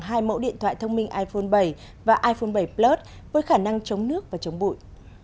hai mẫu điện thoại thông minh iphone bảy và iphone bảy plus với khả năng chống nước và chống bụi